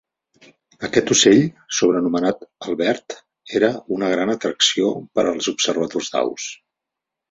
Aquest ocell, sobrenomenat "Albert", era una gran atracció per als observadors d'aus.